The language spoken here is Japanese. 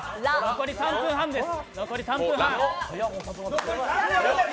残り３分半です。